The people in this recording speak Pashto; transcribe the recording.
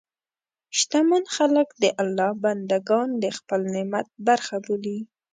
شتمن خلک د الله بندهګان د خپل نعمت برخه بولي.